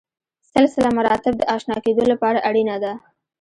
سلسله مراتب د اشنا کېدو لپاره اړینه ده.